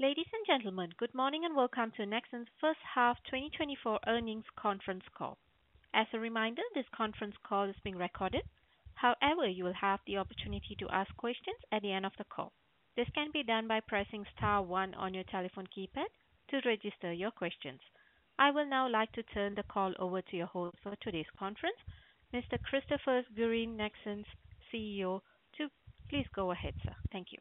Ladies and gentlemen, good morning, and welcome to Nexans's first half 2024 Earnings Conference Call. As a reminder, this conference call is being recorded. However, you will have the opportunity to ask questions at the end of the call. This can be done by pressing star one on your telephone keypad to register your questions. I will now like to turn the call over to your host for today's conference, Mr. Christopher Guérin, Nexans CEO. Please go ahead, sir. Thank you.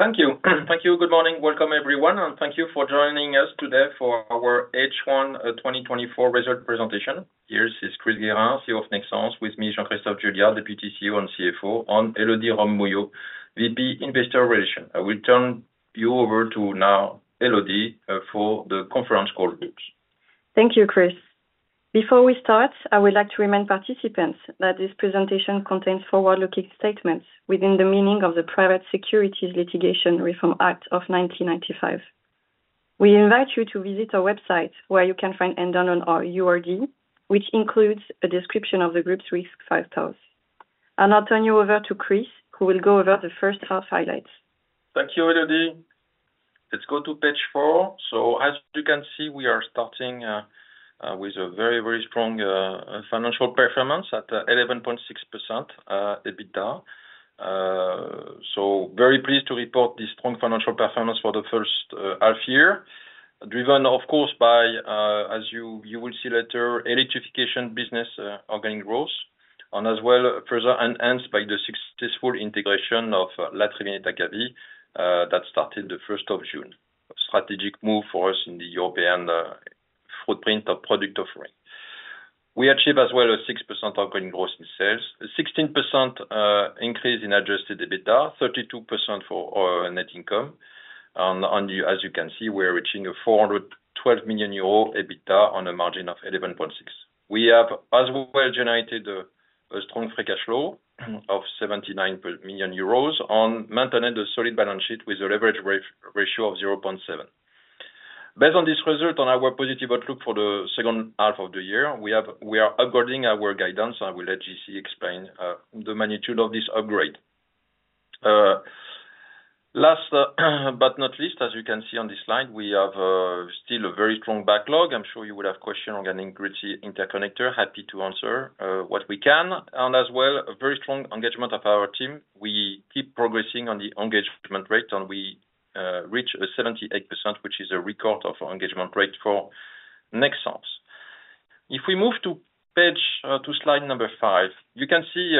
Thank you. Thank you. Good morning. Welcome, everyone, and thank you for joining us today for our H1 2024 result presentation. Here is Christopher Guérin, CEO of Nexans. With me, Jean-Christophe Juillard, Deputy CEO and CFO, and Elodie Robbe-Mouillot, VP, Investor Relations. I will turn you over to now Elodie, for the conference call notes. Thank you, Chris. Before we start, I would like to remind participants that this presentation contains forward-looking statements within the meaning of the Private Securities Litigation Reform Act of 1995. We invite you to visit our website, where you can find in-depth our URD, which includes a description of the group's risk factors. I'll turn you over to Chris, who will go over the first half highlights. Thank you, Elodie. Let's go to page four. So as you can see, we are starting with a very, very strong financial performance at 11.6% EBITDA. So very pleased to report this strong financial performance for the first half year. Driven, of course, by, as you will see later, electrification business organic growth, and as well further enhanced by the successful integration of La Triveneta Cavi that started the first of June. A strategic move for us in the European footprint of product offering. We achieve as well a 6% organic growth in sales, a 16% increase in adjusted EBITDA, 32% for our net income. And as you can see, we're reaching a 412 million euro EBITDA on a margin of 11.6. We have as well generated a strong free cash flow of 79 million euros and maintained a solid balance sheet with a leverage ratio of 0.7. Based on this result and our positive outlook for the second half of the year, we are upgrading our guidance. I will let JC explain the magnitude of this upgrade. Last, but not least, as you can see on this slide, we have still a very strong backlog. I'm sure you will have question on getting Great Sea Interconnector. Happy to answer what we can, and as well, a very strong engagement of our team. We keep progressing on the engagement rate, and we reach a 78%, which is a record of engagement rate for Nexans. If we move to page, to slide number 5, you can see,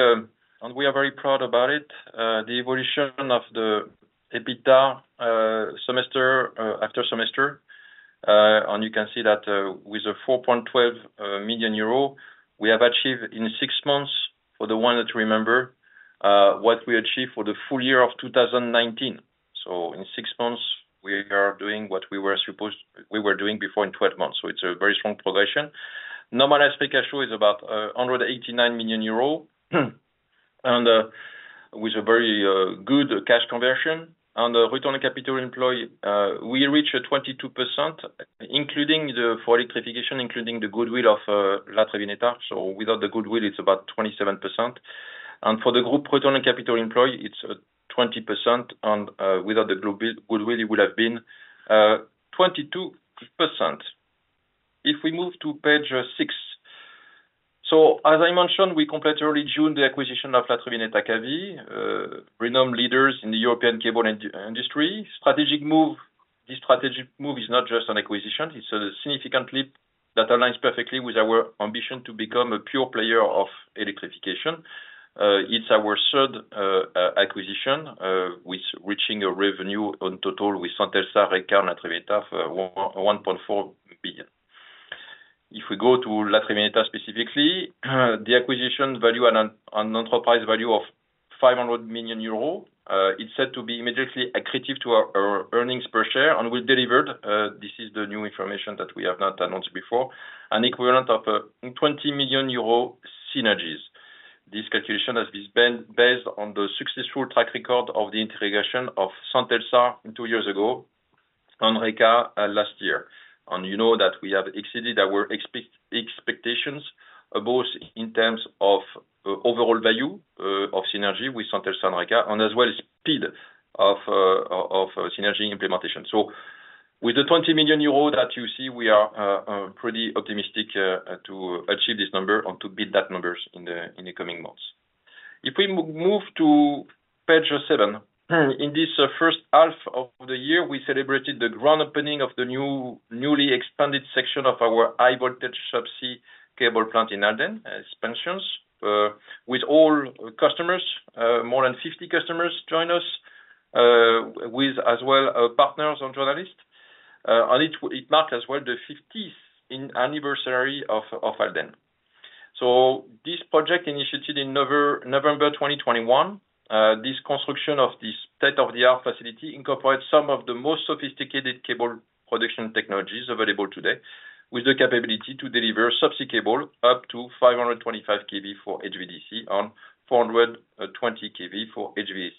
and we are very proud about it, the evolution of the EBITDA, semester after semester. And you can see that, with a 4.12 million euro, we have achieved in six months, for the one that remember, what we achieved for the full year of 2019. So in six months, we are doing what we were supposed, we were doing before in 12 months. So it's a very strong progression. Normalized free cash flow is about, 189 million euro, and, with a very good cash conversion. And the return on capital employed, we reach a 22%, including the full electrification, including the goodwill of, La Triveneta. So without the goodwill, it's about 27%. For the group return on capital employed, it's 20% and, without the group goodwill, it would have been 22%. If we move to page six. So as I mentioned, we completed early June the acquisition of La Triveneta Cavi, renowned leaders in the European cable industry. Strategic move. This strategic move is not just an acquisition, it's a significant leap that aligns perfectly with our ambition to become a pure player of electrification. It's our third acquisition, with reaching a revenue on total with Centelsa, REKA, La Triveneta, for 1.4 billion. If we go to La Triveneta specifically, the acquisition value and enterprise value of 500 million euros. It's said to be immediately accretive to our earnings per share, and we delivered, this is the new information that we have not announced before, an equivalent of 20 million euro synergies. This calculation has been based on the successful track record of the integration of Centelsa two years ago and REKA last year. And you know that we have exceeded our expectations, both in terms of overall value of synergy with Centelsa and REKA, and as well as speed of synergy implementation. So with the 20 million euro that you see, we are pretty optimistic to achieve this number and to beat that numbers in the coming months. If we move to page seven. In this first half of the year, we celebrated the grand opening of the new, newly expanded section of our high-voltage subsea cable plant in Halden with all customers, more than 50 customers join us, with as well partners and journalists. And it marked as well the fiftieth anniversary of Halden. So this project initiated in November 2021. This construction of this state-of-the-art facility incorporates some of the most sophisticated cable production technologies available today, with the capability to deliver subsea cable up to 525 kV for HVDC and 420 kV for HVAC.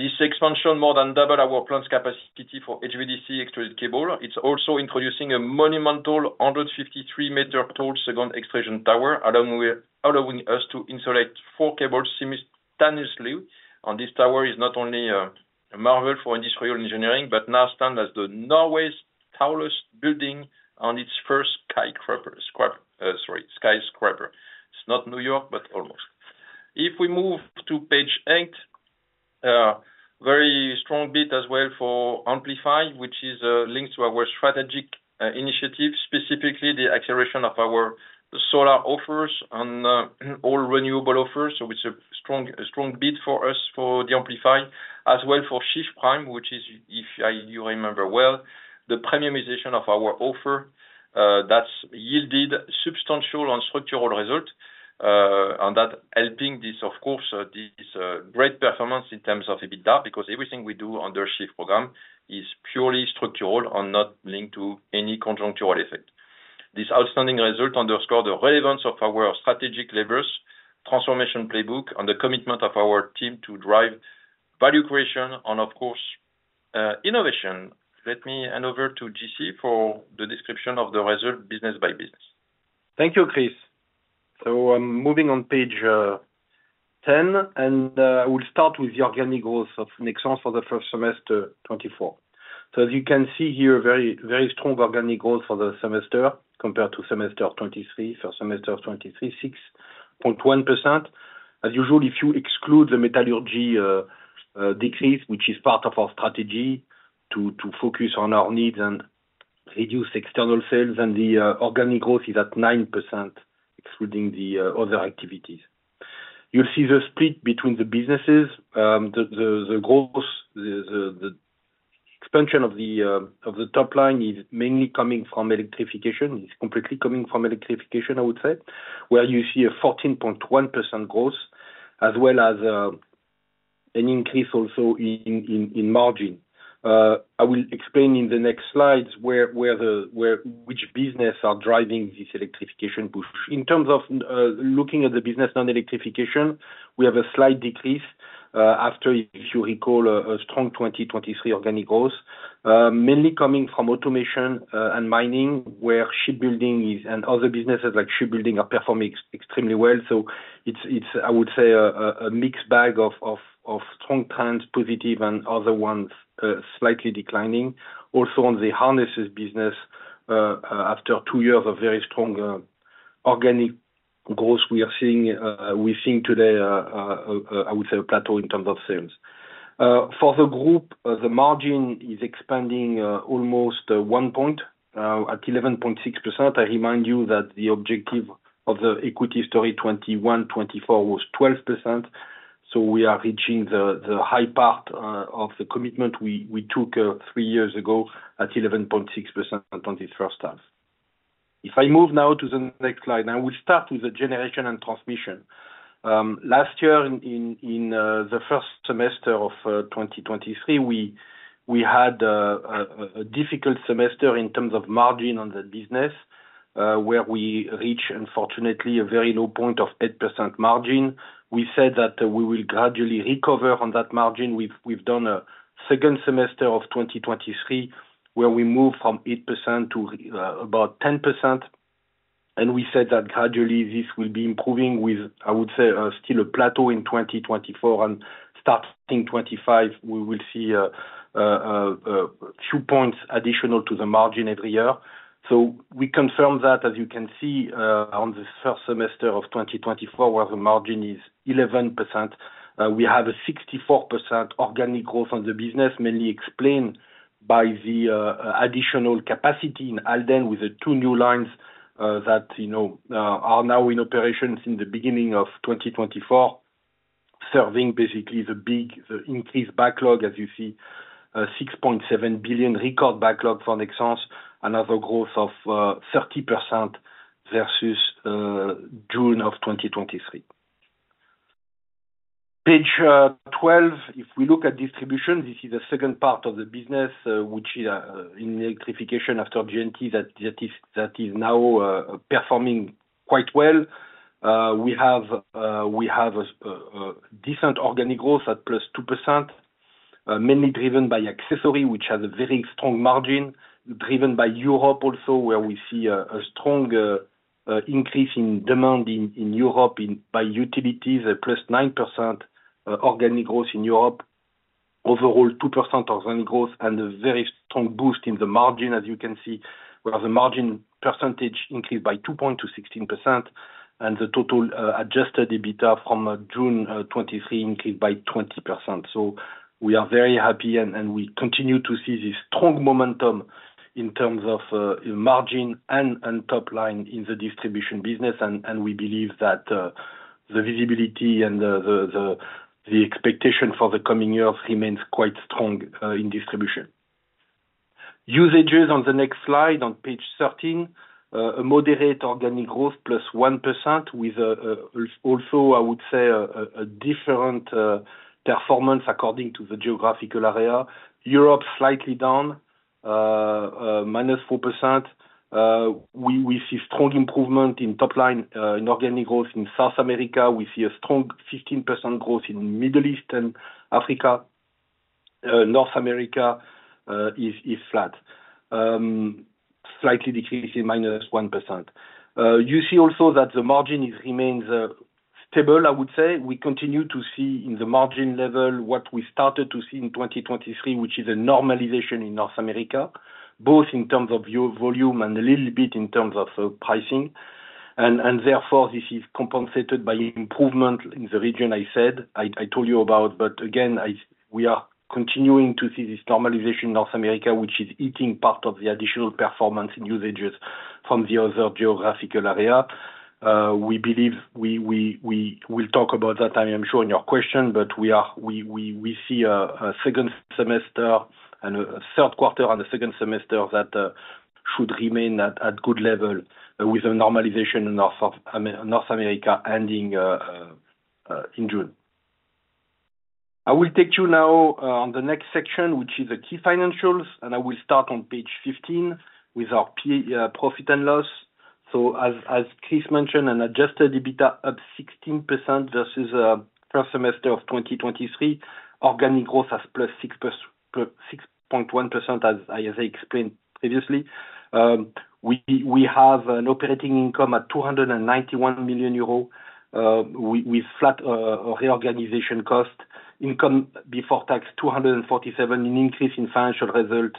This expansion more than double our plants capacity for HVDC extruded cable. It's also introducing a monumental 153 meter tall second extrusion tower, allowing us to insert four cables simultaneously. And this tower is not only a marvel for industrial engineering, but now stands as Norway's tallest building, its first skyscraper. Sorry, skyscraper. It's not New York, but almost. If we move to page eight, very strong bit as well for Amplify, which is linked to our strategic initiative, specifically the acceleration of our solar offers on all renewable offers. So it's a strong bit for us for the Amplify, as well for Shift Prime, which is, if you remember well, the premiumization of our offer, that's yielded substantial and structural result, and that helping this, of course, this great performance in terms of EBITDA, because everything we do on the Shift program is purely structural and not linked to any conjuncture effect. This outstanding result underscore the relevance of our strategic levers, transformation playbook, and the commitment of our team to drive value creation and, of course, innovation. Let me hand over to JC for the description of the result, business by business. Thank you, Chris. So I'm moving on page 10, and we'll start with the organic growth of Nexans for the first semester 2024. As you can see here, very, very strong organic growth for the semester compared to semester 2023. Semester 2023, 6.1%. As usual, if you exclude the metallurgy decrease, which is part of our strategy to focus on our needs and reduce external sales, then the organic growth is at 9%, excluding the other activities. You'll see the split between the businesses, the growth, the expansion of the top line is mainly coming from electrification. It's completely coming from electrification, I would say, where you see a 14.1% growth, as well as an increase also in margin. I will explain in the next slides where which business are driving this electrification push. In terms of looking at the business non-electrification, we have a slight decrease after, if you recall, a strong 2023 organic growth, mainly coming from automation and mining, where shipbuilding is, and other businesses like shipbuilding, are performing extremely well. So it's, I would say, a mixed bag of strong trends, positive and other ones, slightly declining. Also, on the harnesses business, after two years of very strong organic growth, we're seeing today, I would say a plateau in terms of sales. For the group, the margin is expanding almost 1 point at 11.6%. I remind you that the objective of the equity story 2021-2024 was 12%. So we are reaching the high part of the commitment we took three years ago at 11.6% on this first half. If I move now to the next slide, I will start with the generation and transmission. Last year in the first semester of 2023, we had a difficult semester in terms of margin on the business, where we reached, unfortunately, a very low point of 8% margin. We said that we will gradually recover on that margin. We've done a second semester of 2023, where we moved from 8% to about 10%, and we said that gradually this will be improving with, I would say, still a plateau in 2024, and starting 2025, we will see two points additional to the margin every year. So we confirm that, as you can see, on the first semester of 2024, where the margin is 11%. We have a 64% organic growth on the business, mainly explained by the additional capacity in Halden, with the two new lines that, you know, are now in operations in the beginning of 2024, serving basically the big, the increased backlog, as you see, 6.7 billion record backlog for Nexans, another growth of 30% versus June of 2023. Page 12. If we look at distribution, this is the second part of the business, which is in electrification after G&T, that is now performing quite well. We have a decent organic growth at +2%, mainly driven by accessory, which has a very strong margin, driven by Europe also, where we see a strong increase in demand in Europe by utilities, at +9% organic growth in Europe. Overall, 2% organic growth and a very strong boost in the margin, as you can see, where the margin percentage increased by 2 points to 16%, and the total adjusted EBITDA from June 2023 increased by 20%. So we are very happy and we continue to see this strong momentum in terms of margin and top line in the distribution business, and we believe that the visibility and the expectation for the coming years remains quite strong in distribution. Usages on the next slide, on page 13. A moderate Organic Growth +1%, with also, I would say, a different performance according to the geographical area. Europe, slightly down -4%. We see strong improvement in top line in Organic Growth in South America. We see a strong 15% growth in Middle East and Africa. North America is flat. Slightly decreasing -1%. You see also that the margin is remains stable, I would say. We continue to see in the margin level what we started to see in 2023, which is a normalization in North America, both in terms of volume and a little bit in terms of pricing. And therefore, this is compensated by improvement in the region I said, I told you about, but again, we are continuing to see this normalization in North America, which is eating part of the additional performance and usages from the other geographical area. We believe we will talk about that, I am sure in your question, but we see a second semester and a Q3 on the second semester that should remain at good level with a normalization in North of, I mean, North America ending in June. I will take you now on the next section, which is the key financials, and I will start on page 15 with our profit and loss. As Chris mentioned, an adjusted EBITDA up 16% versus first semester of 2023. Organic growth has plus 6.1%, as I explained previously. We have an operating income at 291 million euros with flat reorganization cost. Income before tax, 247, an increase in financial result,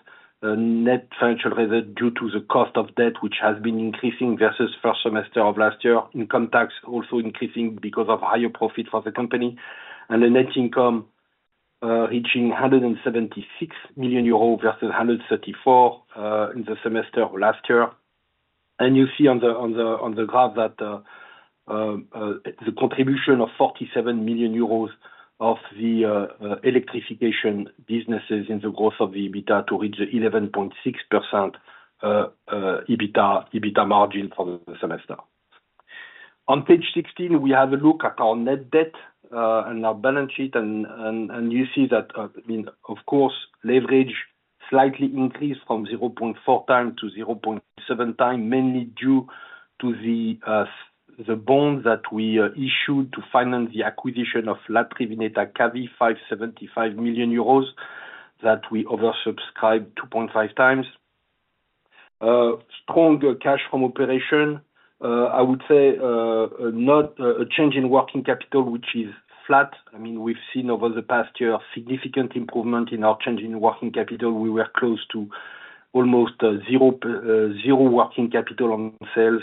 net financial result, due to the cost of debt, which has been increasing versus first semester of last year. Income tax also increasing because of higher profit for the company. The net income reaching 176 million euros versus 134 in the semester of last year. You see on the graph that the contribution of 47 million euros from the electrification businesses in the growth of the EBITDA to reach the 11.6% EBITDA margin for the semester. On page 16, we have a look at our net debt and our balance sheet, and you see that, I mean, of course, leverage slightly increased from 0.4x to 0.7x, mainly due to the bonds that we issued to finance the acquisition of La Triveneta Cavi, 575 million euros, that we oversubscribed 2.5x. Stronger cash from operation. I would say, not a change in working capital, which is flat. I mean, we've seen over the past year a significant improvement in our change in working capital. We were close to almost zero working capital on sales.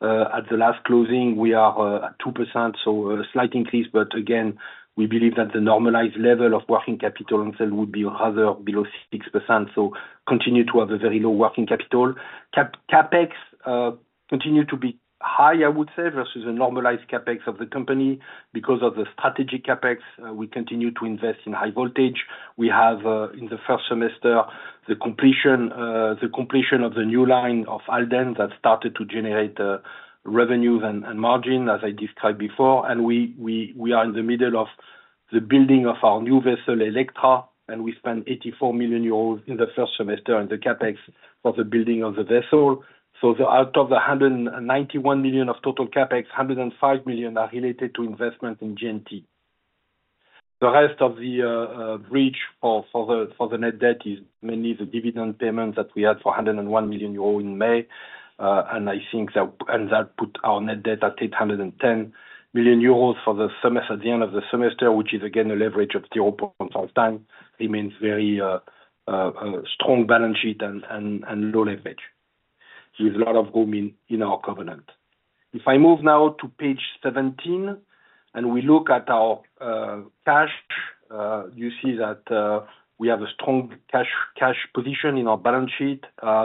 At the last closing, we are at 2%, so a slight increase, but again, we believe that the normalized level of working capital on sale would be rather below 6%. So continue to have a very low working capital. CapEx continues to be high, I would say, versus the normalized CapEx of the company. Because of the strategic CapEx, we continue to invest in high voltage. We have, in the first semester, the completion of the new line of Halden, that started to generate revenues and margin, as I described before. And we are in the middle of the building of our new vessel, Electra, and we spent 84 million euros in the first semester on the CapEx for the building of the vessel. So out of the 191 million of total CapEx, 105 million are related to investment in JNT. The rest of the bridge for the net debt is mainly the dividend payments that we had for 101 million euro in May. And I think that put our net debt at 810 million euros for the semester, at the end of the semester, which is again a leverage of 0.1x, remains very strong balance sheet and low leverage, with a lot of room in our covenant. If I move now to page 17, and we look at our cash, you see that we have a strong cash position in our balance sheet.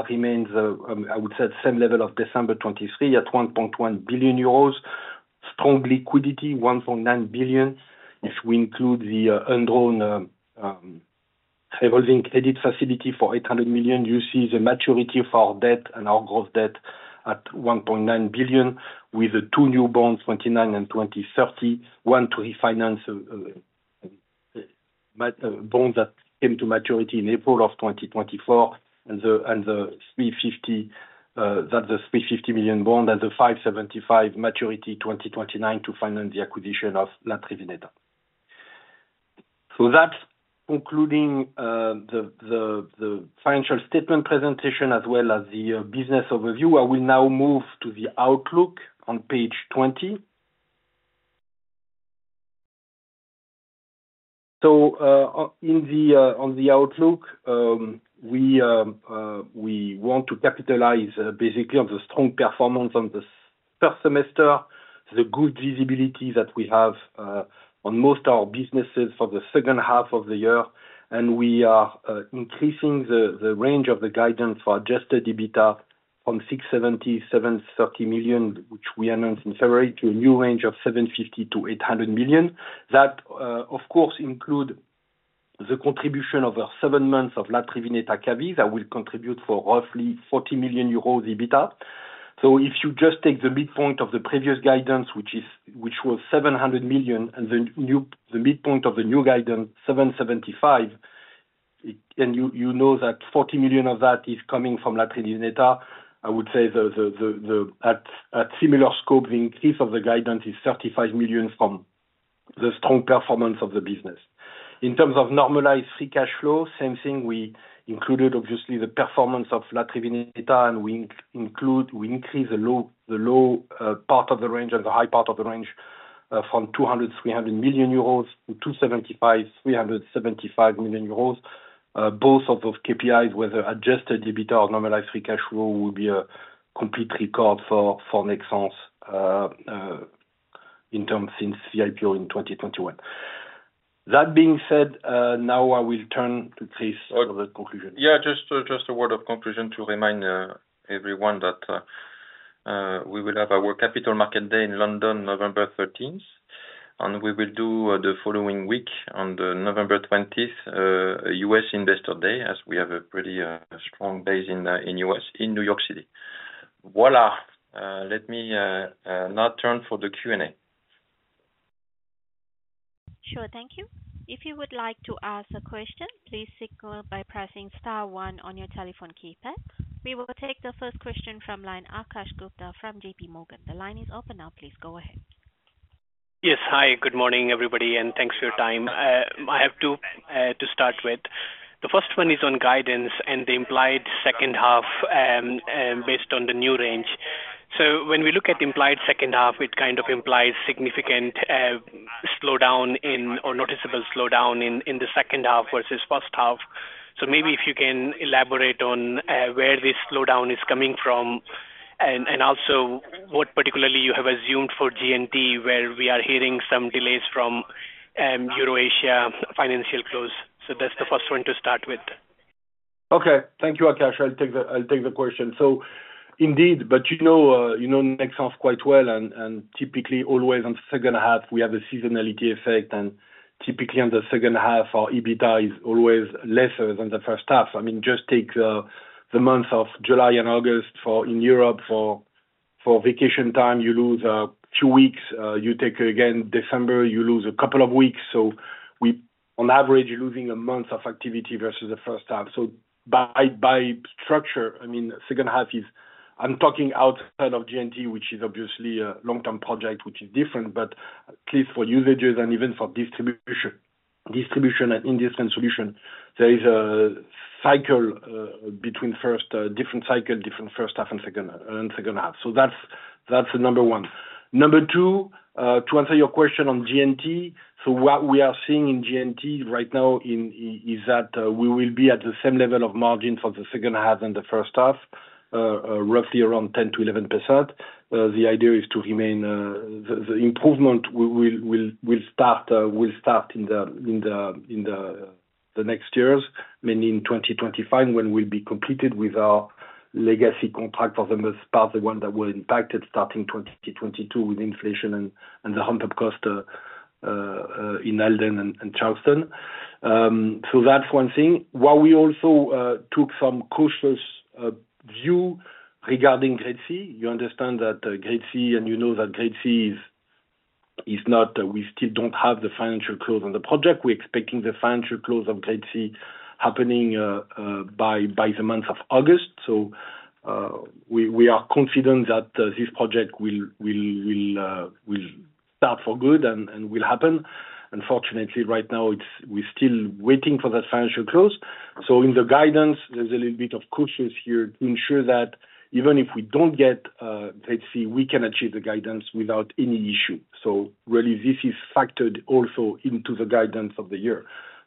Remains the same level of December 2023, at 1.1 billion euros. Strong liquidity, 1.9 billion. If we include the undrawn revolving credit facility for 800 million, you see the maturity of our debt and our gross debt at 1.9 billion, with two new bonds, 2029 and 2030. One to refinance bonds that came to maturity in April of 2024, and the 350 million bond and the 575 maturity 2029 to finance the acquisition of La Triveneta Cavi. So that's concluding the financial statement presentation, as well as the business overview. I will now move to the outlook on page 20. So on the outlook, we want to capitalize basically on the strong performance on this first semester, the good visibility that we have on most our businesses for the second half of the year. And we are increasing the range of the guidance for adjusted EBITDA from 670 million-730 million, which we announced in February, to a new range of 750 million-800 million. That of course include the contribution of the seven months of La Triveneta Cavi, that will contribute for roughly 40 million euros EBITDA. So if you just take the midpoint of the previous guidance, which was 700 million, and the midpoint of the new guidance, 775, it, and you know that 40 million of that is coming from La Triveneta. I would say at similar scope, the increase of the guidance is 35 million from the strong performance of the business. In terms of normalized free cash flow, same thing, we included obviously the performance of La Triveneta, and we include, we increase the low part of the range and the high part of the range from 200-300 million euros to 275-375 million euros. Both of those KPIs, whether adjusted EBITDA or normalized free cash flow, will be a complete record for Nexans in terms since the IPO in 2021. That being said, now I will turn to Chris for the conclusion. Yeah, just a word of conclusion to remind everyone that we will have our Capital Market Day in London, November 13th. The following week, on November 20th, we will do U.S. Investor Day, as we have a pretty strong base in U.S., in New York City. Voilà! Let me now turn for the Q&A. Sure. Thank you. If you would like to ask a question, please signal by pressing star one on your telephone keypad. We will take the first question from line, Akash Gupta from J.P. Morgan. The line is open now, please go ahead. Yes. Hi, good morning, everybody, and thanks for your time. I have two to start with. The first one is on guidance and the implied second half, based on the new range. So when we look at the implied second half, it kind of implies significant slowdown in or noticeable slowdown in the second half versus first half. So maybe if you can elaborate on where this slowdown is coming from, and also what particularly you have assumed for GNT, where we are hearing some delays from, EuroAsia financial close. So that's the first one to start with. Okay. Thank you, Akash. I'll take the question. So indeed, but you know, you know Nexans quite well, and, and typically always on second half, we have a seasonality effect, and typically on the second half, our EBITDA is always lesser than the first half. I mean, just take the month of July and August for, in Europe for, for vacation time, you lose two weeks. You take again, December, you lose a couple of weeks. So we on average, you're losing a month of activity versus the first half. So by, by structure, I mean, second half is... I'm talking outside of GNT, which is obviously a long-term project, which is different, but at least for usages and even for distribution, distribution and industrial solution, there is a cycle between first, different cycle, different first half and second, and second half. So that's number one. Number two, to answer your question on GNT, so what we are seeing in GNT right now in, is that we will be at the same level of margin for the second half and the first half, roughly around 10%-11%. The idea is to remain the improvement we will start in the next years, mainly in 2025, when we'll be completed with our legacy contract for the most part, the one that were impacted starting 2022 with inflation and the hump of cost in Halden and Charleston. So that's one thing. While we also took some cautious view regarding GridseA, you understand that, GridseA, and you know that GridseA is not, we still don't have the financial close on the project. We're expecting the financial close of GridseA happening by the month of August. So, we are confident that this project will start for good and will happen. Unfortunately, right now, it's, we're still waiting for that financial close. So in the guidance, there's a little bit of cautious here to ensure that even if we don't get, GridseA, we can achieve the guidance without any issue. So really, this is factored also into the guidance of the year.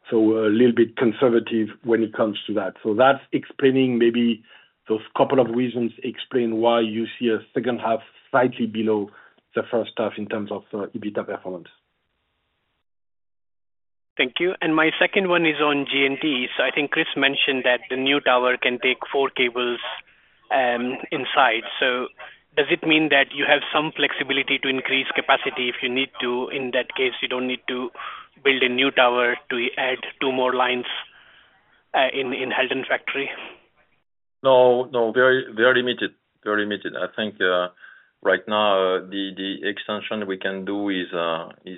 So we're a little bit conservative when it comes to that. So that's explaining maybe, those couple of reasons explain why you see a second half slightly below the first half in terms of, EBITDA performance. Thank you. My second one is on GNT. I think Chris mentioned that the new tower can take four cables inside. Does it mean that you have some flexibility to increase capacity if you need to? In that case, you don't need to build a new tower to add two more lines in Halden factory. No, no, very, very limited. Very limited. I think right now, the extension we can do is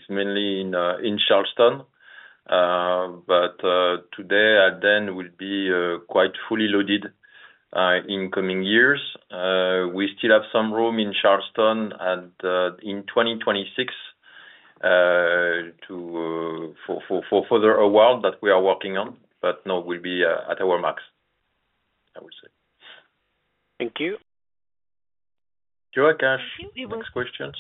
mainly in Charleston. But today, Halden will be quite fully loaded in coming years. We still have some room in Charleston and in 2026 for further award that we are working on, but no, we'll be at our max, I would say. Thank you. Sure, Akash- Thank you. We will- Next questions.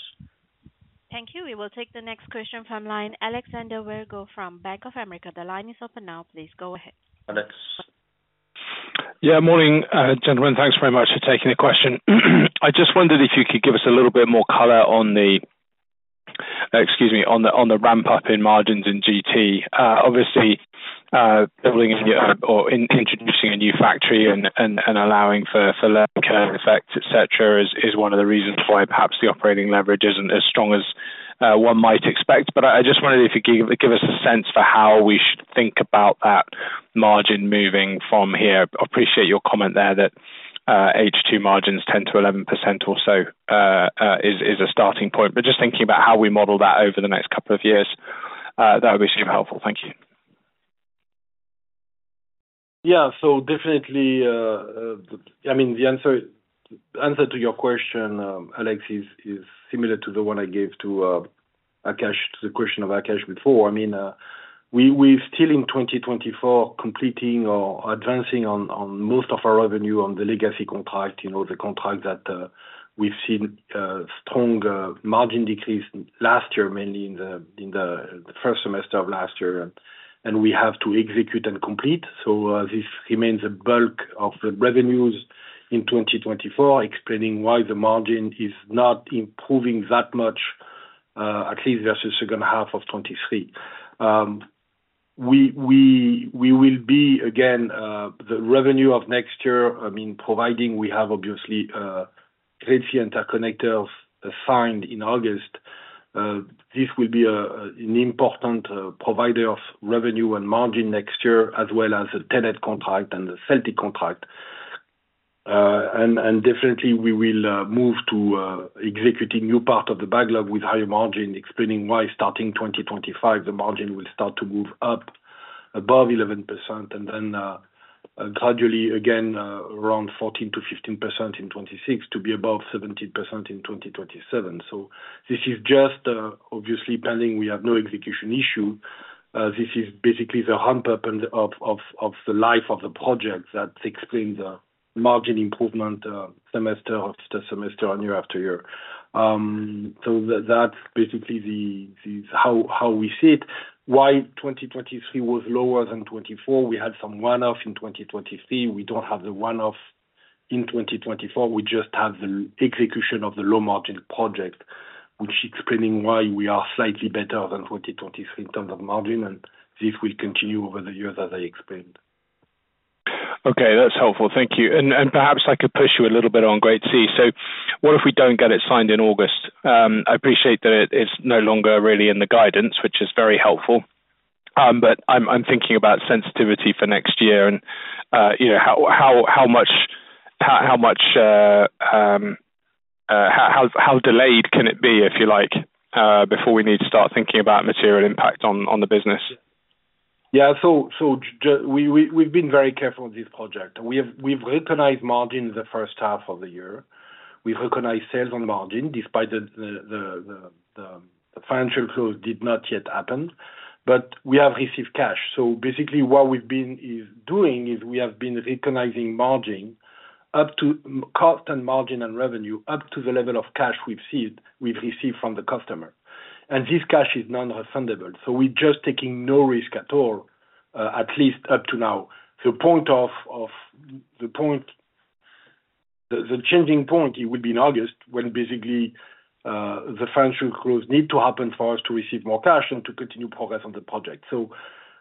Thank you. We will take the next question from line, Alexander Virgo from Bank of America. The line is open now, please go ahead. Alex. Yeah. Morning, gentlemen. Thanks very much for taking the question. I just wondered if you could give us a little bit more color on the, excuse me, on the ramp-up in margins in GT. Obviously, building a new or introducing a new factory and allowing for learning curve effects, et cetera, is one of the reasons why perhaps the operating leverage isn't as strong as one might expect. But I just wondered if you could give us a sense for how we should think about that margin moving from here. I appreciate your comment there that H2 margins 10%-11% or so is a starting point. But just thinking about how we model that over the next couple of years, that would be super helpful. Thank you. ... Yeah, so definitely, I mean, the answer, answer to your question, Alex, is similar to the one I gave to Akash, to the question of Akash before. I mean, we're still in 2024 completing or advancing on most of our revenue on the legacy contract, you know, the contract that we've seen strong margin decrease last year, mainly in the first semester of last year, and we have to execute and complete. So, this remains a bulk of the revenues in 2024, explaining why the margin is not improving that much, at least versus second half of 2023. We will be again the revenue of next year, I mean, providing we have obviously GridseA Interconnector signed in August, this will be an important provider of revenue and margin next year, as well as a TenneT contract and a Celtic contract. And definitely we will move to executing new part of the backlog with higher margin, explaining why starting 2025, the margin will start to move up above 11% and then gradually again around 14%-15% in 2026, to be above 17% in 2027. So this is just obviously pending, we have no execution issue. This is basically the hump up and of the life of the project that explains the margin improvement semester after semester, year after year. So that's basically the how we see it. Why 2023 was lower than 2024, we had some one-off in 2023. We don't have the one-off in 2024. We just have the execution of the low margin project, which explaining why we are slightly better than 2023 in terms of margin, and this will continue over the years, as I explained. Okay, that's helpful. Thank you. Perhaps I could push you a little bit on GridseA. So what if we don't get it signed in August? I appreciate that it's no longer really in the guidance, which is very helpful. But I'm thinking about sensitivity for next year and, you know, how delayed can it be, if you like, before we need to start thinking about material impact on the business? Yeah. So, we've been very careful on this project. We've recognized margin the first half of the year. We've recognized sales on margin, despite the financial close did not yet happen, but we have received cash. So basically what we've been doing is we have been recognizing margin up to cost and margin and revenue, up to the level of cash we've received from the customer. And this cash is non-refundable, so we're just taking no risk at all, at least up to now. The point, the changing point, it will be in August, when basically the financial close need to happen for us to receive more cash and to continue progress on the project. So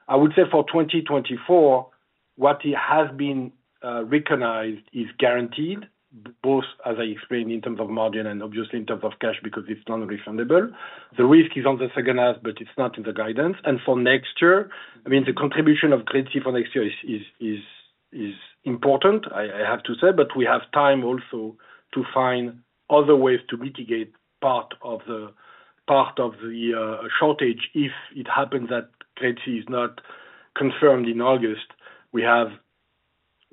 I would say for 2024, what has been recognized is guaranteed, both, as I explained in terms of margin and obviously in terms of cash, because it's non-refundable. The risk is on the second half, but it's not in the guidance. And for next year, I mean, the contribution of GridseA for next year is important, I have to say, but we have time also to find other ways to mitigate part of the shortage, if it happens that GridseA is not confirmed in August. We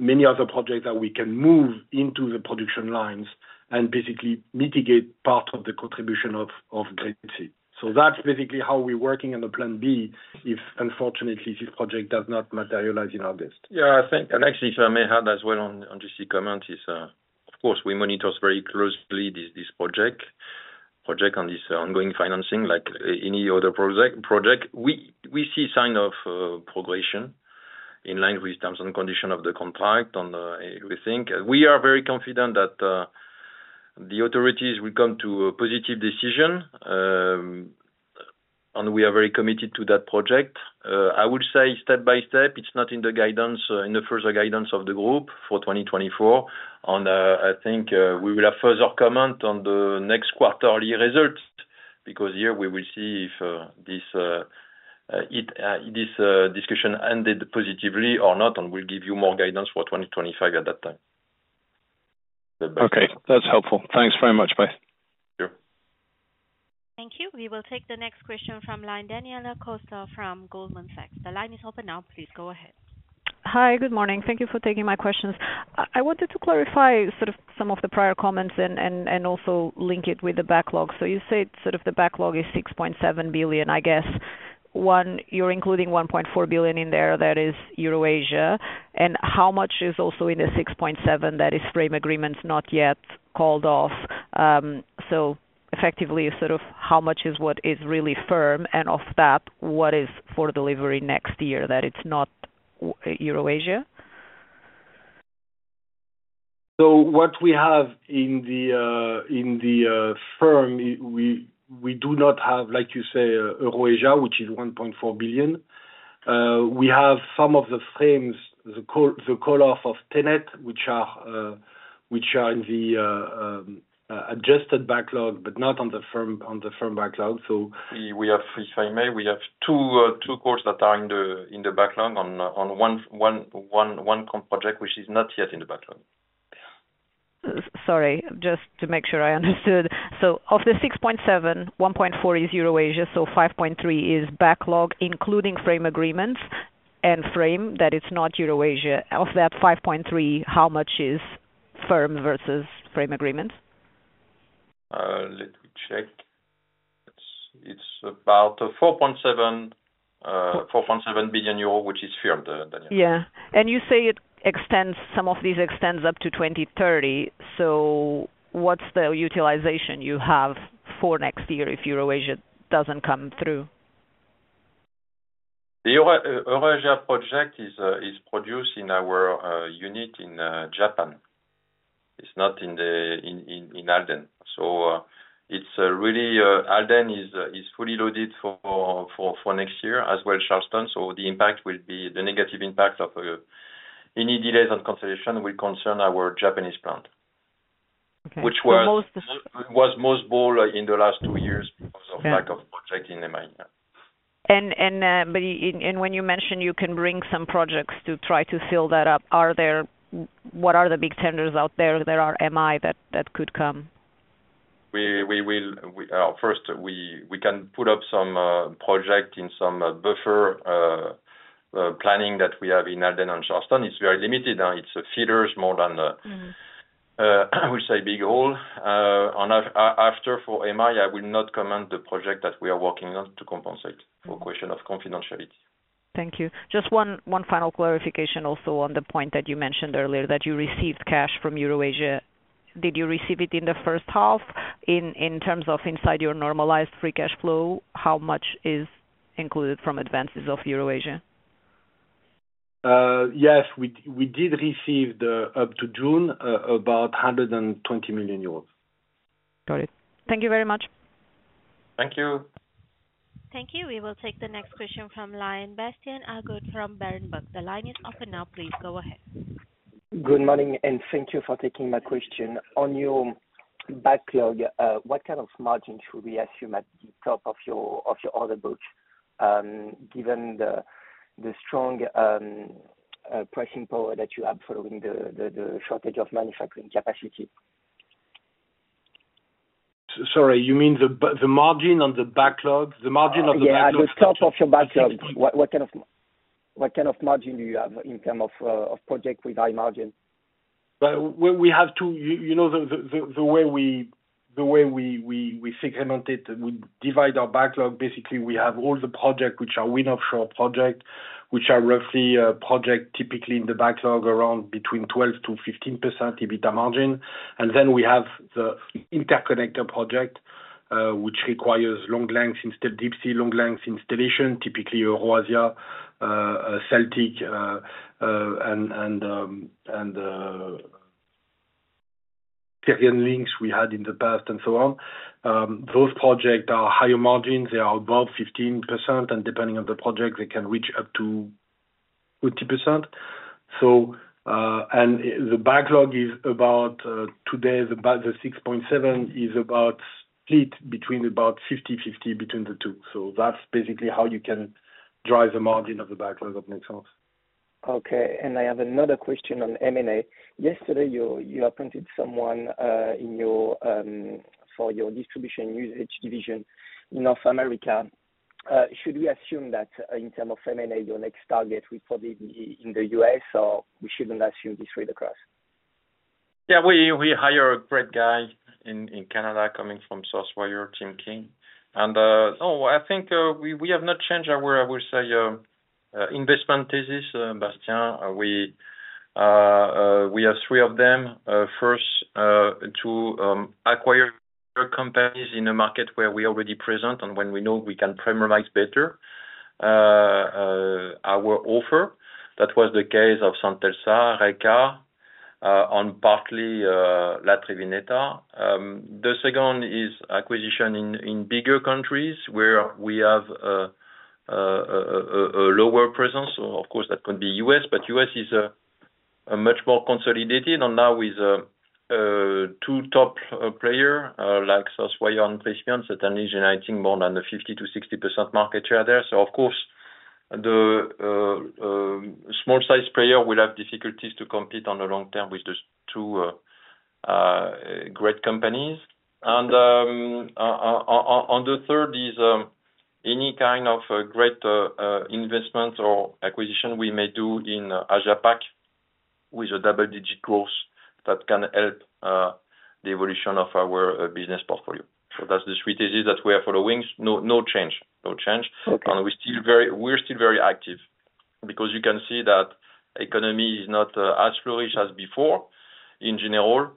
have many other projects that we can move into the production lines and basically mitigate part of the contribution of GridseA. So that's basically how we're working on the plan B, if unfortunately, this project does not materialize in August. Yeah, I think, and actually, if I may add as well on this comment, is of course, we monitor very closely this project on this ongoing financing. Like any other project, we see signs of progression in line with terms and conditions of the contract. On that, we think. We are very confident that the authorities will come to a positive decision, and we are very committed to that project. I would say step by step, it's not in the guidance in the further guidance of the group for 2024. And I think we will have further comment on the next quarterly results, because here we will see if this discussion ended positively or not, and we'll give you more guidance for 2025 at that time. Okay, that's helpful. Thanks very much, bye. Sure. Thank you. We will take the next question from line, Daniela Costa from Goldman Sachs. The line is open now, please go ahead. Hi, good morning. Thank you for taking my questions. I wanted to clarify sort of some of the prior comments and also link it with the backlog. So you said sort of the backlog is 6.7 billion. I guess, one, you're including 1.4 billion in there, that is EuroAsia. And how much is also in the 6.7 billion that is frame agreements, not yet called off? So effectively, sort of how much is what is really firm, and of that, what is for delivery next year, that is not the EuroAsia? So what we have in the, in the, firm, we, we do not have, like you say, EuroAsia, which is 1.4 billion. We have some of the frames, the call, the call off of TenneT, which are, which are in the, adjusted backlog, but not on the firm, on the firm backlog. So- We have, if I may, we have two quotes that are in the backlog on one project which is not yet in the backlog.... Sorry, just to make sure I understood. So of the 6.7, 1.4 is EuroAsia, so 5.3 is backlog, including frame agreements and frame that is not EuroAsia. Of that 5.3, how much is firm versus frame agreement? Let me check. It's about 4.7, 4.7 billion euro, which is firm. Yeah. And you say it extends, some of these extends up to 2030, so what's the utilization you have for next year if EuroAsia doesn't come through? The EuroAsia project is produced in our unit in Japan. It's not in Halden. So it's really Halden is fully loaded for next year as well as Charleston, so the impact will be the negative impact of any delays on consolidation will concern our Japanese plant. Okay. Which was- The most- was most bold in the last two years because of lack of project in AM, yeah. But when you mention you can bring some projects to try to fill that up, are there, what are the big tenders out there that are MI, that could come? We will first put up some project in some buffer planning that we have in Halden and Charleston. It's very limited, it's a fillers more than a- Mm. I would say big hole. On after for MI, I will not comment the project that we are working on to compensate, for question of confidentiality. Thank you. Just one final clarification also on the point that you mentioned earlier, that you received cash from EuroAsia. Did you receive it in the first half, in terms of inside your normalized free cash flow, how much is included from advances of EuroAsia? Yes, we did receive the up to June about 120 million euros. Got it. Thank you very much. Thank you. Thank you. We will take the next question from line, Bastian Agote from Berenberg. The line is open now, please go ahead. Good morning, and thank you for taking my question. On your backlog, what kind of margin should we assume at the top of your order book, given the strong pricing power that you have following the shortage of manufacturing capacity? Sorry, you mean the margin on the backlog? The margin on the backlog- Yeah, at the top of your backlog, what kind of margin do you have in terms of projects with high margin? Well, you know, the way we segment it, we divide our backlog. Basically, we have all the project which are wind offshore project, which are roughly project typically in the backlog around between 12%-15% EBITDA margin. And then we have the interconnector project, which requires long lengths installation, deep sea long lengths installation, typically EuroAsia, Celtic, and Caribbean links we had in the past, and so on. Those project are higher margin, they are above 15%, and depending on the project, they can reach up to 40%. And the backlog is about, today, about the 6.7 billion is about split 50/50 between the two. That's basically how you can drive the margin of the backlog, if it makes sense. Okay. I have another question on M&A. Yesterday, you appointed someone in your for your distribution usage division in North America. Should we assume that in terms of M&A, your next target will probably be in the US, or we shouldn't assume this trade across? Yeah, we hire a great guy in Canada, coming from Southwire, Tim King. And so I think we have not changed our, I will say, investment thesis, Bastian. We have three of them. First, to acquire companies in a market where we already present, and when we know we can premiumize better our offer. That was the case of Santensel, REKA, and partly La Triveneta. The second is acquisition in bigger countries, where we have a lower presence. So of course, that could be US, but US is a much more consolidated, and now with two top player like Southwire and Prysmian, it's generating more than the 50%-60% market share there. So of course, the small size player will have difficulties to compete on the long term with the two great companies. On the third is any kind of great investment or acquisition we may do in Asia Pac, with a double digit growth that can help the evolution of our business portfolio. So that's the three thesis that we are following. No, no change. No change. Okay. We're still very active, because you can see that the economy is not as flourishing as before, in general,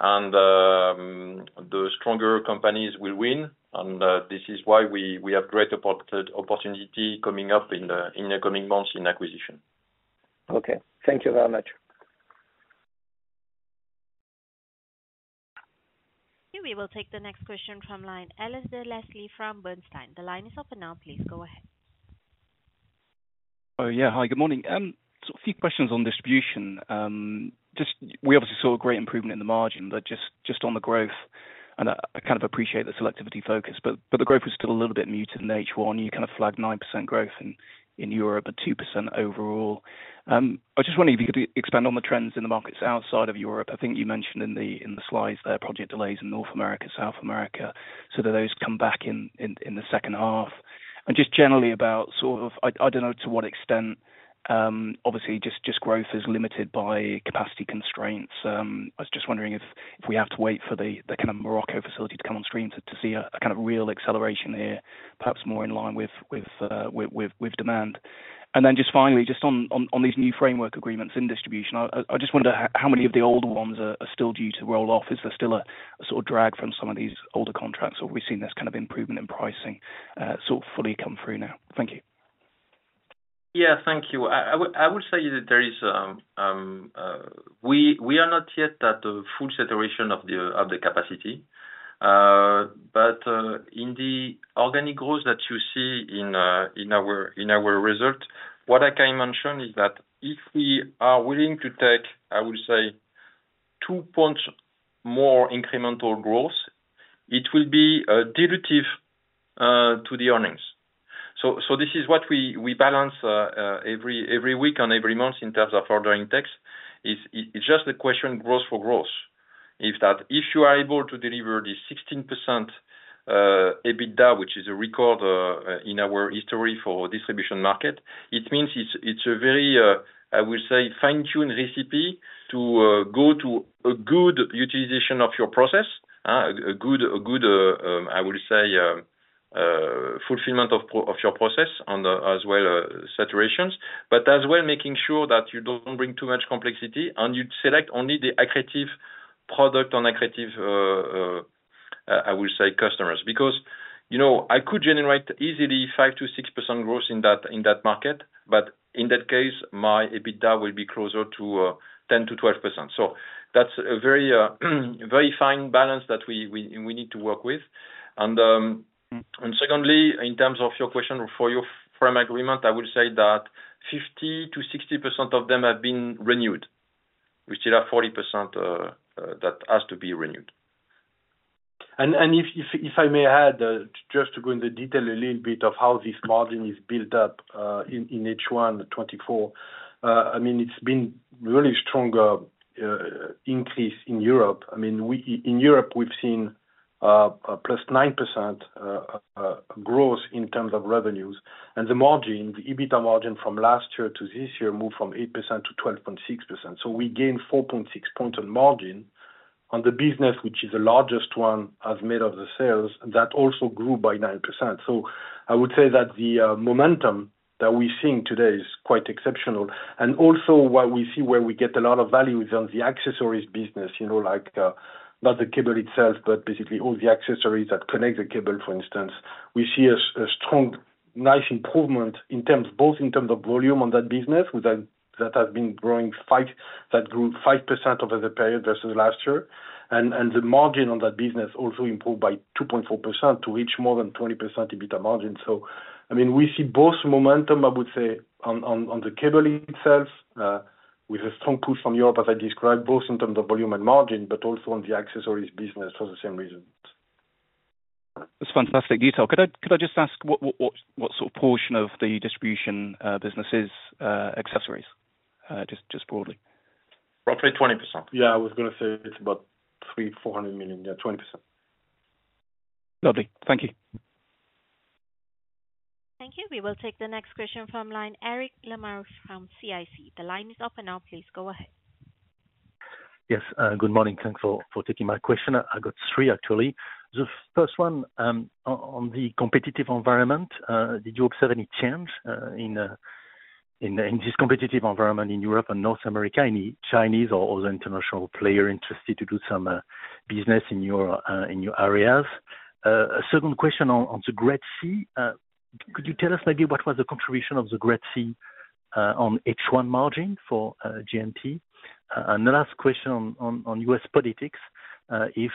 and the stronger companies will win, and this is why we have great opportunity coming up in the coming months in acquisition. Okay. Thank you very much. We will take the next question from line, Alasdair Leslie from Bernstein. The line is open now, please go ahead. Oh, yeah. Hi, good morning. So a few questions on distribution. Just, we obviously saw a great improvement in the margin, but just, just on the growth. ... And I kind of appreciate the selectivity focus, but the growth was still a little bit muted in H1. You kind of flagged 9% growth in Europe, but 2% overall. I just wondering if you could expand on the trends in the markets outside of Europe. I think you mentioned in the slides there, project delays in North America, South America, so do those come back in the second half? And just generally about sort of, I don't know to what extent, obviously just growth is limited by capacity constraints. I was just wondering if we have to wait for the kind of Morocco facility to come on stream to see a kind of real acceleration there, perhaps more in line with demand. And then just finally, just on these new framework agreements in distribution, I just wondered how many of the older ones are still due to roll off. Is there still a sort of drag from some of these older contracts, or we've seen this kind of improvement in pricing, sort of fully come through now? Thank you. Yeah, thank you. I would say that there is... We are not yet at the full saturation of the capacity. But in the organic growth that you see in our result, what I can mention is that if we are willing to take, I would say, 2 points more incremental growth, it will be dilutive to the earnings. So this is what we balance every week and every month in terms of ordering takes. It's just the question growth for growth. If you are able to deliver this 16% EBITDA, which is a record in our history for distribution market, it means it's a very fine-tuned recipe to go to a good utilization of your process. A good, a good, I would say, fulfillment of your process on the, as well, saturations, but as well, making sure that you don't bring too much complexity, and you select only the accretive product on accretive, I would say customers. Because, you know, I could generate easily 5%-6% growth in that, in that market, but in that case, my EBITDA will be closer to, 10%-12%. So that's a very, very fine balance that we need to work with. And, secondly, in terms of your question for your Frame Agreement, I would say that 50%-60% of them have been renewed. We still have 40% that has to be renewed. If I may add, just to go into detail a little bit of how this margin is built up in H1 2024. I mean, it's been really stronger increase in Europe. I mean, in Europe, we've seen a +9% growth in terms of revenues, and the margin, the EBITDA margin from last year to this year moved from 8% to 12.6%. So we gained 4.6 points on margin on the business, which is the largest one as made up of the sales, that also grew by 9%. So I would say that the momentum that we're seeing today is quite exceptional, and also what we see where we get a lot of value is on the accessories business. You know, like, not the cable itself, but basically all the accessories that connect the cable, for instance. We see a strong, nice improvement in terms, both in terms of volume on that business, with that, that has been growing 5, that grew 5% over the period versus last year. The margin on that business also improved by 2.4% to reach more than 20% EBITDA margin. So, I mean, we see both momentum, I would say, on the cabling itself, with a strong push from Europe, as I described, both in terms of volume and margin, but also on the accessories business for the same reasons. That's fantastic detail. Could I just ask what sort of portion of the distribution business is accessories, just broadly? Roughly 20%. Yeah, I was gonna say it's about 300 million-400 million. Yeah, 20%. Lovely. Thank you. Thank you. We will take the next question from line, Eric Lamarre from CIC. The line is open now, please go ahead. Yes, good morning. Thanks for taking my question. I, I've got three, actually. The first one, on the competitive environment, did you observe any change, in this competitive environment in Europe and North America? Any Chinese or other international player interested to do some business in your areas? A second question on the GridseA. Could you tell us maybe what was the contribution of the GridseA on H1 margin for GMT? And the last question on U.S. politics, if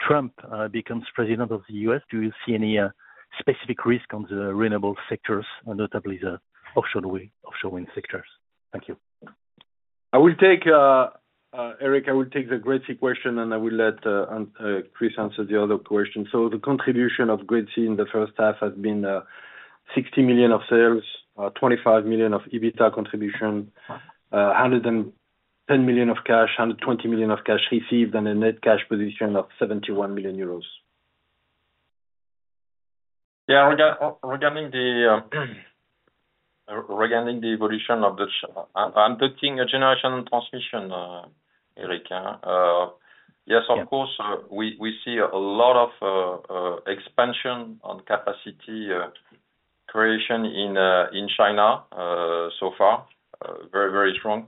Trump becomes president of the U.S., do you see any specific risk on the renewable sectors, and notably the offshore wind sectors? Thank you. I will take, Eric, I will take the GridseA question, and I will let Chris answer the other question. So the contribution of GridseA in the first half has been 60 million of sales, 25 million of EBITDA contribution, 110 million of cash, 120 million of cash received, and a net cash position of 71 million euros. Yeah, regarding the evolution of the shift. I'm talking generation transmission, Eric. Yes, of course, we see a lot of expansion on capacity creation in China, so far, very, very strong.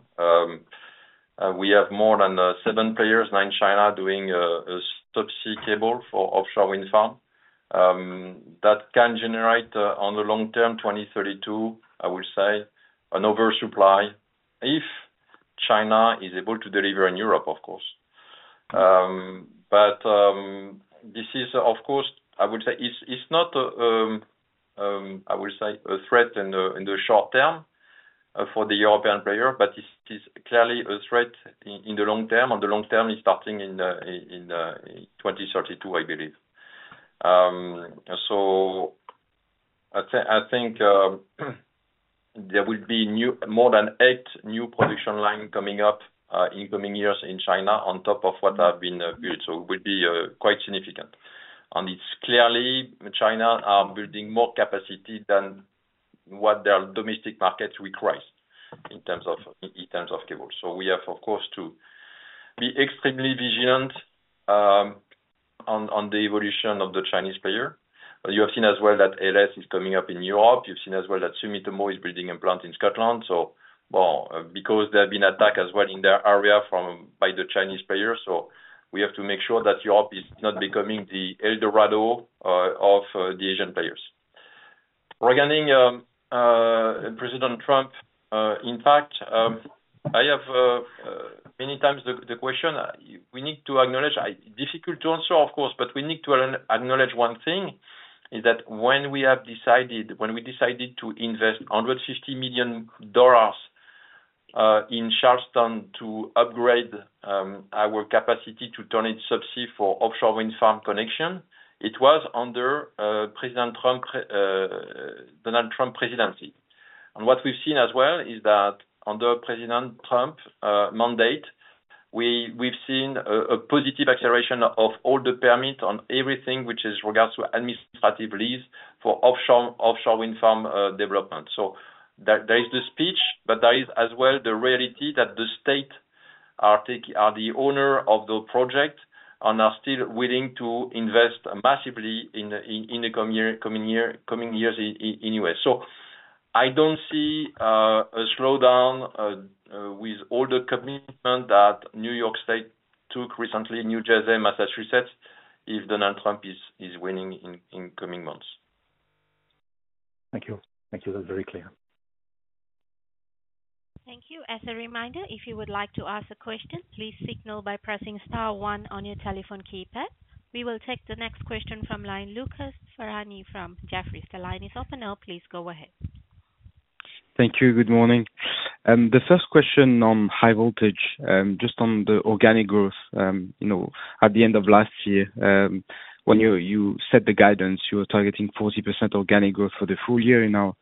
We have more than seven players now in China doing a subsea cable for offshore wind farm. That can generate, on the long term, 2032, I would say, an oversupply if China is able to deliver in Europe, of course. But... is, of course, I would say, it's not a threat in the short term for the European player, but it is clearly a threat in the long term, and the long term is starting in 2032, I believe. So I think there will be more than 8 new production line coming up in coming years in China on top of what have been built, so will be quite significant. And it's clearly China are building more capacity than what their domestic markets require in terms of cables. So we have, of course, to be extremely vigilant on the evolution of the Chinese player. You have seen as well that LS is coming up in Europe. You've seen as well that Sumitomo is building a plant in Scotland, so well, because there have been attacks as well in their area by the Chinese players. So we have to make sure that Europe is not becoming the El Dorado of the Asian players. Regarding President Trump, in fact, I have many times the question. We need to acknowledge, it's difficult to answer, of course, but we need to acknowledge one thing, that when we decided to invest $160 million in Charleston to upgrade our capacity to turn it subsea for offshore wind farm connection, it was under President Trump, Donald Trump presidency. What we've seen as well is that under President Trump's mandate, we've seen a positive acceleration of all the permits on everything with regards to administrative lease for offshore wind farm development. So there is the speech, but there is as well the reality that the states are the owners of the project, and are still willing to invest massively in the coming years anyway. So I don't see a slowdown with all the commitment that New York State took recently, New Jersey, Massachusetts, if Donald Trump is winning in coming months. Thank you. Thank you. That's very clear. Thank you. As a reminder, if you would like to ask a question, please signal by pressing star one on your telephone keypad. We will take the next question from line, Lucas Ferhani from Jefferies. The line is open now, please go ahead. Thank you. Good morning. The first question on high voltage, just on the organic growth, you know, at the end of last year, when you set the guidance, you were targeting 40% organic growth for the full year, and now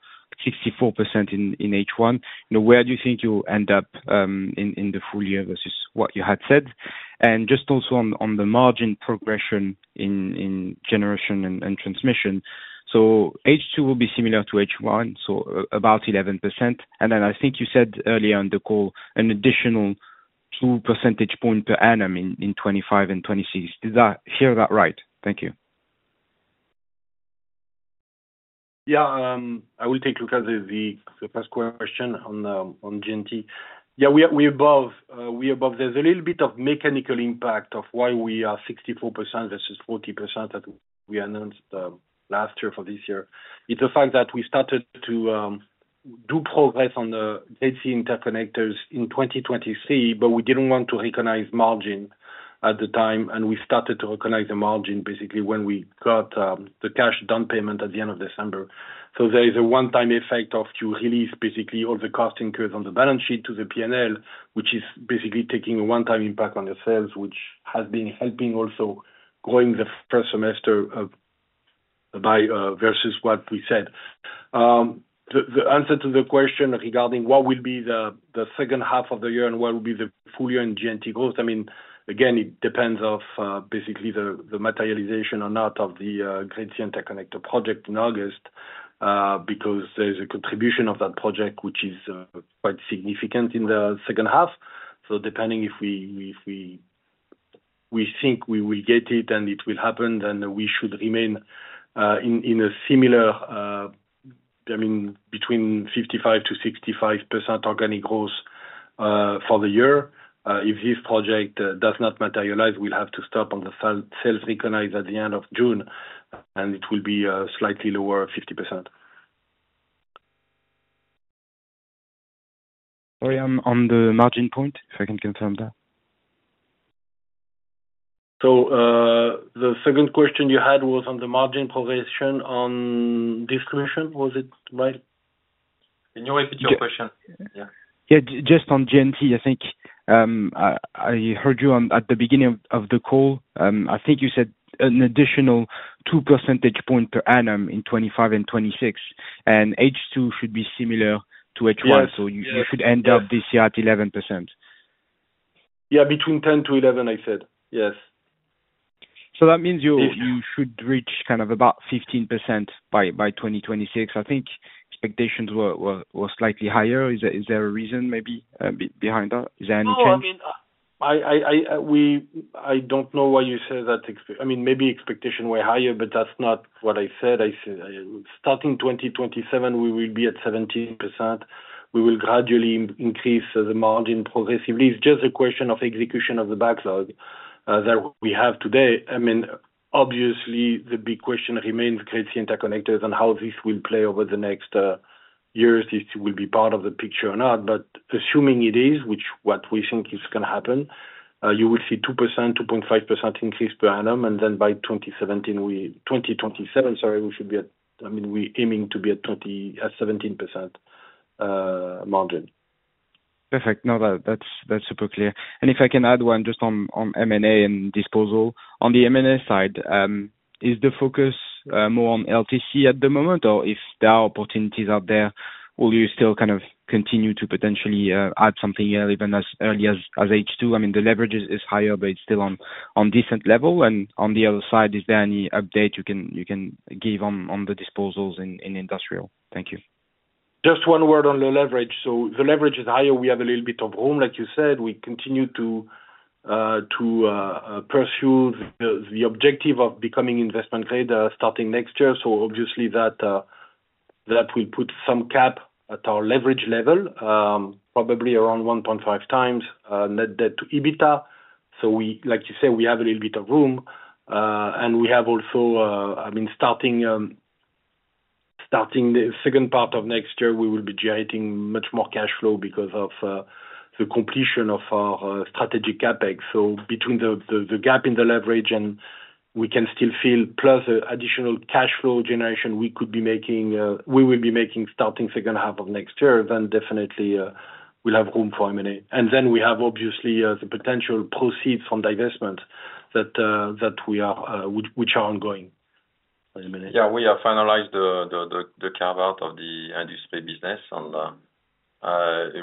64% in H1. You know, where do you think you'll end up in the full year versus what you had said? And just also on the margin progression in generation and transmission. So H2 will be similar to H1, so about 11%. And then I think you said earlier on the call, an additional two percentage points per annum in 2025 and 2026. Did I hear that right? Thank you. Yeah. I will take, Lucas, the first question on G&T. Yeah, we are above. There's a little bit of mechanical impact of why we are 64% versus 40% that we announced last year for this year. It's the fact that we started to do progress on the AC interconnectors in 2023, but we didn't want to recognize margin at the time, and we started to recognize the margin, basically, when we got the cash down payment at the end of December. So there is a one-time effect to release, basically, all the costing curves on the balance sheet to the P&L, which is basically taking a one-time impact on the sales, which has been helping also growing the first semester by versus what we said. The answer to the question regarding what will be the second half of the year and what will be the full year in G&T growth, I mean, again, it depends of basically the materialization or not of the GridseA Interconnector project in August, because there's a contribution of that project, which is quite significant in the second half. So depending if we think we will get it, and it will happen, then we should remain in a similar, I mean, 55%-65% organic growth for the year. If this project does not materialize, we'll have to stop on the sales recognition at the end of June, and it will be slightly lower, 50%. Sorry, I'm on the margin point, if I can confirm that. The second question you had was on the margin progression on distribution, was it right? Can you repeat your question? Yeah. Yeah. Just on G&T, I think I heard you at the beginning of the call. I think you said an additional two percentage points per annum in 2025 and 2026, and H2 should be similar to H1- Yes. You should end up this year at 11%. Yeah, between 10-11, I said. Yes. So that means you- Yes. You should reach kind of about 15% by 2026. I think expectations were slightly higher. Is there a reason maybe behind that? Is there anything? No, I mean, I don't know why you say that. I mean, maybe expectation were higher, but that's not what I said. I said, starting 2027, we will be at 17%. We will gradually increase the margin progressively. It's just a question of execution of the backlog that we have today. I mean, obviously, the big question remains GridseA Interconnector, and how this will play over the next two-... years, this will be part of the picture or not, but assuming it is, which what we think is gonna happen, you will see 2%, 2.5% increase per annum, and then by 2017, we-- 2027, sorry, we should be at, I mean, we're aiming to be at 17%, margin. Perfect. No, that's super clear. And if I can add one just on M&A and disposal. On the M&A side, is the focus more on LTC at the moment, or if there are opportunities out there, will you still kind of continue to potentially add something even as early as H2? I mean, the leverage is higher, but it's still on decent level. And on the other side, is there any update you can give on the disposals in industrial? Thank you. Just one word on the leverage. So the leverage is higher. We have a little bit of room, like you said. We continue to pursue the objective of becoming investment grade, starting next year. So obviously that will put some cap at our leverage level, probably around 1.5 times net debt to EBITDA. So we, like you say, we have a little bit of room, and we have also, I mean, starting the second part of next year, we will be generating much more cash flow because of the completion of our strategic CapEx. So between the gap in the leverage and we can still feel plus additional cash flow generation, we could be making, we will be making starting second half of next year, then definitely, we'll have room for M&A. And then we have obviously the potential proceeds from divestment that we are, which are ongoing. Yeah, we have finalized the carve-out of the industry business and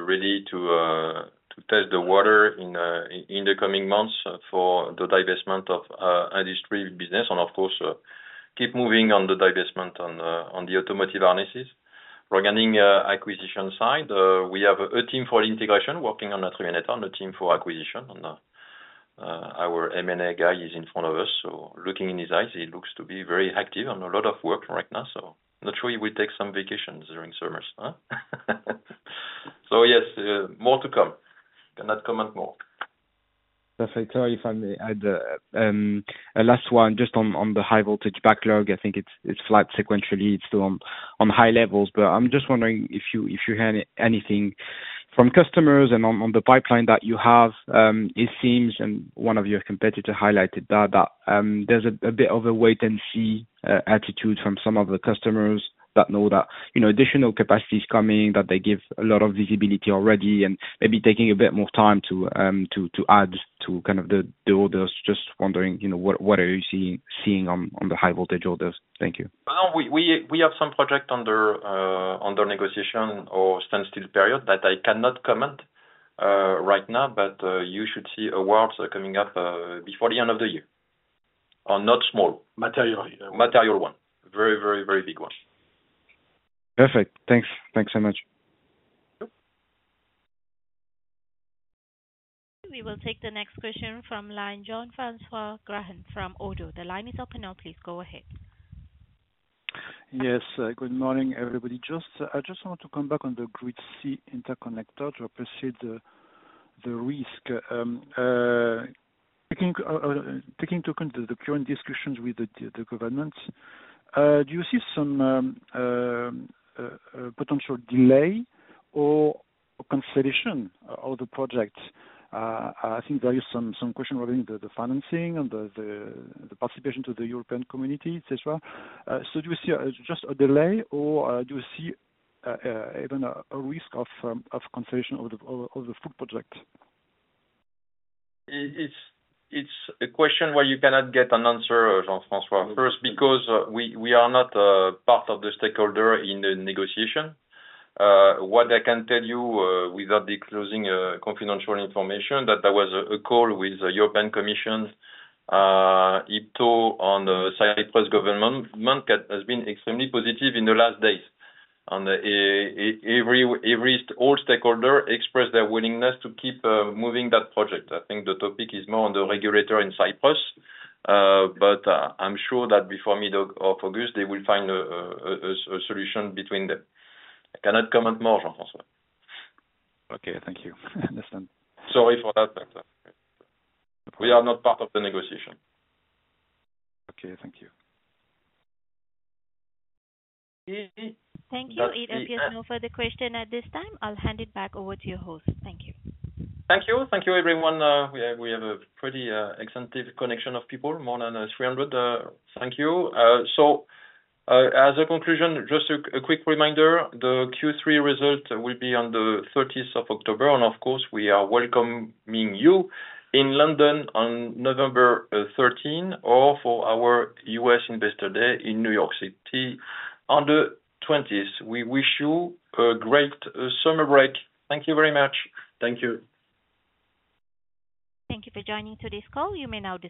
ready to test the water in the coming months for the divestment of industry business. And of course, keep moving on the divestment on the automotive harnesses. Regarding acquisition side, we have a team for integration working on and a team for acquisition, and our M&A guy is in front of us, so looking in his eyes, he looks to be very active on a lot of work right now. So not sure he will take some vacations during summers, huh? So yes, more to come. Cannot comment more. Perfect. Sorry if I may add a last one just on the high voltage backlog. I think it's flat sequentially, it's still on high levels, but I'm just wondering if you heard anything from customers and on the pipeline that you have. It seems, and one of your competitor highlighted that there's a bit of a wait and see attitude from some of the customers that know that, you know, additional capacity is coming, that they give a lot of visibility already and maybe taking a bit more time to add to kind of the orders. Just wondering, you know, what are you seeing on the high voltage orders? Thank you. Well, we have some project under negotiation or standstill period that I cannot comment right now, but you should see awards coming up before the end of the year. Are not small. Material. Material one. Very, very, very big one. Perfect. Thanks. Thanks so much. Yep. We will take the next question from line, Jean-François Granjon from Oddo. The line is open now, please go ahead. Yes, good morning, everybody. Just, I just want to come back on the GridseA Interconnector to appreciate the, the risk. Taking into account the current discussions with the, the, the government, do you see some, potential delay or cancellation of the project? I think there is some, some question regarding the, the financing and the, the, the participation to the European community, et cetera. So do you see, just a delay or, do you see, even a, a risk of, cancellation of the, of the, of the full project? It's a question where you cannot get an answer, Jean-François. First, because we are not part of the stakeholder in the negotiation. What I can tell you, without disclosing confidential information, that there was a call with the European Commission and the Cyprus government. Market has been extremely positive in the last days. On the call, every stakeholder expressed their willingness to keep moving that project. I think the topic is more on the regulator in Cyprus, but I'm sure that before middle of August, they will find a solution between them. I cannot comment more, Jean-François. Okay, thank you. Listen. Sorry for that, Jean-François. We are not part of the negotiation. Okay, thank you. Thank you. It appears no further question at this time. I'll hand it back over to your host. Thank you. Thank you. Thank you everyone. We have a pretty extensive connection of people, more than 300, thank you. So, as a conclusion, just a quick reminder, the Q3 result will be on the thirtieth of October, and of course, we are welcoming you in London on November 13, or for our US Investor Day in New York City on the 20th. We wish you a great summer break. Thank you very much. Thank you. Thank you for joining today's call. You may now disconnect.